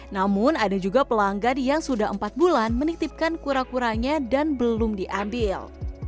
namun ada juga pelanggan yang sudah empat bulan menitipkan kura kuranya dan belum diambil